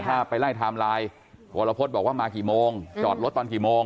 ถ้าไปไล่ไทม์ไลน์วรพฤษบอกว่ามากี่โมงจอดรถตอนกี่โมง